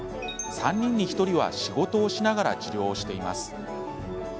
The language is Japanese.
３人に１人は仕事をしながら治療をしています。